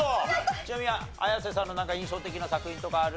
ちなみに綾瀬さんのなんか印象的な作品とかある？